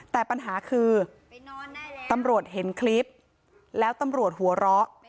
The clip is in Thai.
แต่ปัญหาคือตำรวจเห็นคลิปแล้วตำรวจหัวเราะ